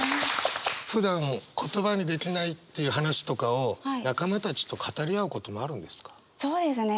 ふだん言葉にできないっていう話とかを仲間たちと語り合うこともあるんですか？